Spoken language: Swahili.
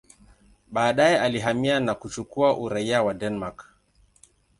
Baadaye alihamia na kuchukua uraia wa Denmark.